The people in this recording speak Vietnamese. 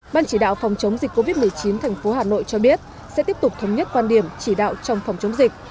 ban chỉ đạo phòng chống dịch covid một mươi chín thành phố hà nội cho biết sẽ tiếp tục thống nhất quan điểm chỉ đạo trong phòng chống dịch